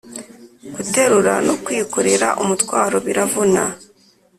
Guterura no kwikorera umutwaro biravuna